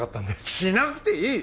しなくていい！